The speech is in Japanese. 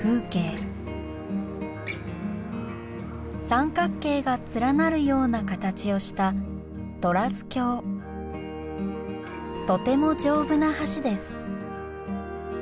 三角形が連なるような形をしたとてもじょうぶな橋です。